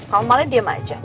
kamu malah diem aja